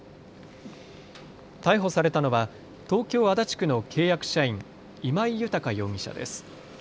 逮捕されたのは東京足立区の契約社員、今井裕容疑者です。